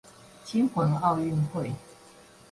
驚魂奧運會